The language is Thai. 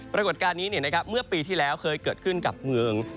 ปรากฏการณ์นี้เมื่อปีที่แล้วเคยเกิดขึ้นกับเมือง